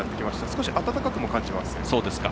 少し暖かくも感じます。